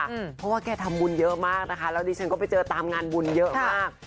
เพราะว่าแกทำบุญเยอะมากนะคะแล้วดิฉันก็ไปเจอตามงานบุญเยอะมาก